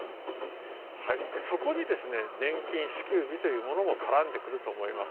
そこに年金支給日というものも絡んでくると思います。